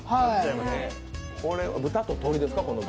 これは豚と鶏ですか？